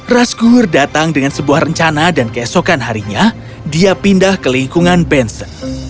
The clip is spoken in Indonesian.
rasgur datang dengan sebuah rencana dan keesokan harinya dia pindah ke lingkungan benzer